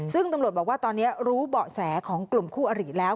ซึ่งตำรวจบอกว่าตอนนี้รู้เบาะแสของกลุ่มคู่อริแล้ว